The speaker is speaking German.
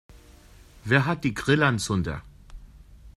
Wer hat die Grillanzünder?